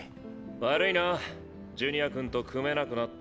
悪いなジュニア君と組めなくなって。